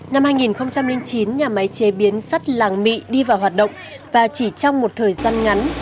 năm hai nghìn chín nhà máy chế biến sắt làng mị đi vào hoạt động và chỉ trong một thời gian ngắn